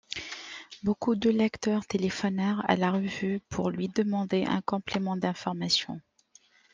Beaucoup de lecteurs téléphonèrent à la revue pour lui demander un complément d'informations.